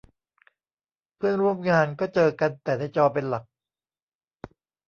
เพื่อนร่วมงานก็เจอกันแต่ในจอเป็นหลัก